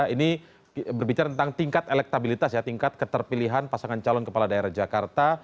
ini berbicara tentang tingkat elektabilitas ya tingkat keterpilihan pasangan calon kepala daerah jakarta